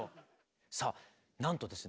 さあなんとですね